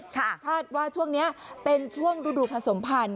คาดว่าช่วงนี้เป็นช่วงฤดูผสมพันธ